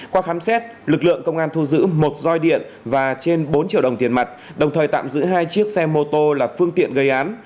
qua khám xét lực lượng công an thu giữ một roi điện và trên bốn triệu đồng tiền mặt đồng thời tạm giữ hai chiếc xe mô tô là phương tiện gây án